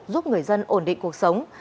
giúp người dân ổn định cuộc sống